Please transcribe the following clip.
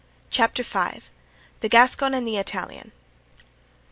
Chapter V. The Gascon and the Italian.